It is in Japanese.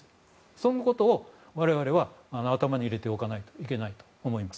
そのことを我々は頭に入れておかないといけないと思います。